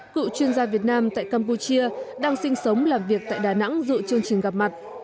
cựu chuyên gia việt nam tại campuchia đang sinh sống làm việc tại đà nẵng dự chương trình gặp mặt